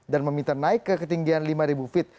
dan meminta naik ke ketinggian lima ribu feet